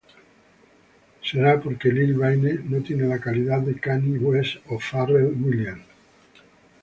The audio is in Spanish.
Será porque Lil Wayne no tiene la calidad de Kanye West o Pharrell Williams.